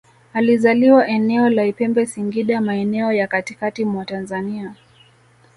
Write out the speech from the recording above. Alizaliwa eneo la Ipembe Singida maeneo ya katikati mwa Tanzania